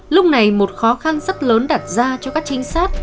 lúc này một khó khăn rất lớn đặt ra cho các trinh sát